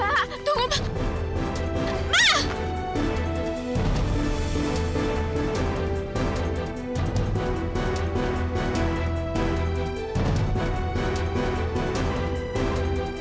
mak tunggu mak